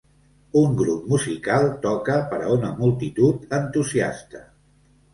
Un grup musical toca per a una multitud entusiasta.